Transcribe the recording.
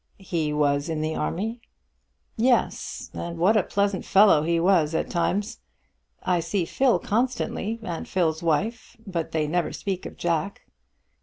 "He was in the army?" "Yes; and what a pleasant fellow he was at times! I see Phil constantly, and Phil's wife, but they never speak of Jack."